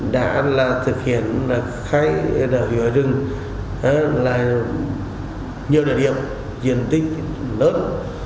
đối tượng đã thực hiện khai hứa rừng ở nhiều địa điểm diện tích lớn